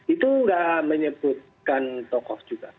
itu tidak menyebutkan tokoh juga